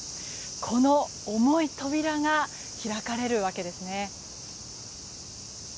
この重い扉が開かれるわけですね。